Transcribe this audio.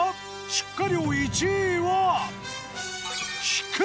出荷量１位はキク。